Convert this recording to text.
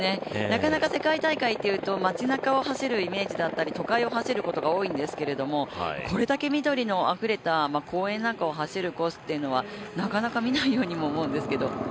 なかなか世界大会というと、町なかを走るイメージだったり都会を走ることが多いんですけれどもこれだけ緑のあふれた公園なんかを走るコースというのはなかなか見ないように思うんですけど。